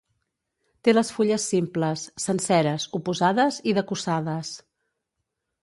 Té les fulles simples, senceres, oposades i decussades.